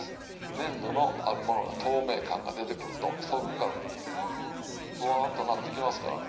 粘度のあるものが透明感が出てくると底からぶわんぶわんとなってきますからね。